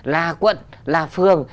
là quận là phường